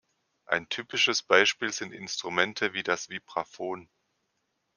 Ein typisches Beispiel sind Instrumente wie das Vibraphon.